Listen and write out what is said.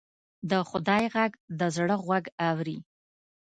د خدای غږ د زړه غوږ اوري